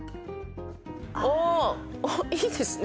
あっいいですね。